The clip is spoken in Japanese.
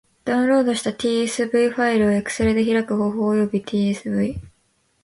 ダウンロードした tsv ファイルを Excel で開く方法及び tsv ...